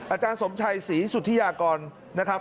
อาจารย์สมชัยศรีสุธิยากรนะครับ